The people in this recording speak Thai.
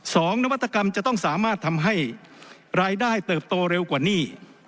นวัตกรรมจะต้องสามารถทำให้รายได้เติบโตเร็วกว่านี้